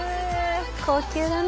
高級だな。